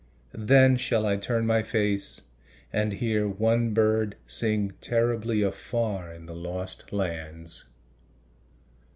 Then shall I turn my face, and hear one bird Sing terribly afar in the lost lands.